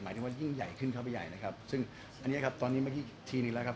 ถึงว่ายิ่งใหญ่ขึ้นเข้าไปใหญ่นะครับซึ่งอันนี้ครับตอนนี้เมื่อกี้อีกทีหนึ่งแล้วครับ